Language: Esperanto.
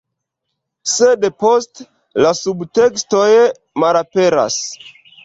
Sed poste, la subtekstoj malaperas.